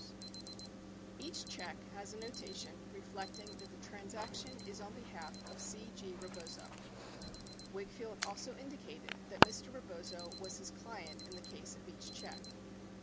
1039 Each check has a notation reflecting that the transaction is on behalf of C. G. Rebozo. 82 Wakefield also indicated that Mr. Rebozo was his client in the case of each check.